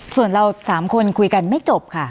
ส่วนเรา๓คนคุยกันไม่จบค่ะ